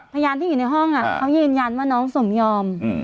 พยานที่อยู่ในห้องเขายืนยันว่าน้องสมยอม